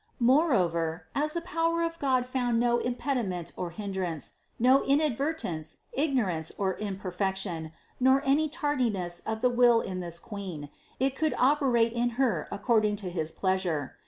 Moreover, as the power of God found no impediment or hindrance, no inadvertence, ignorance or imperfection, nor any tardiness of the will in this Queen, it could oper ate in Her according to his pleasure.